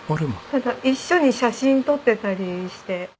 ただ一緒に写真撮ってたりして。